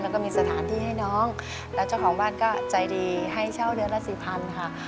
แล้วก็มีสถานที่ให้น้องแล้วเจ้าของบ้านก็ใจดีให้เช่าเดือนละสี่พันค่ะ